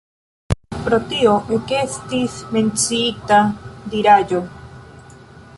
Pro tio ekestis menciita diraĵo.